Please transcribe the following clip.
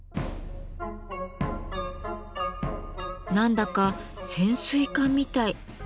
何だか潜水艦みたい。